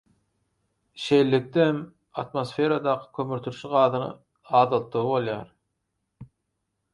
Şeýlelikde hem atmosferadaky kömürturşy gazyny azaltdygy bolýar.